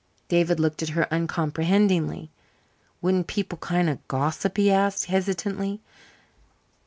David looked at her uncomprehendingly. "Wouldn't people kind of gossip?" he asked hesitatingly.